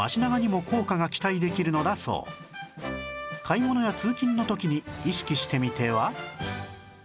買い物や通勤の時に意識してみては？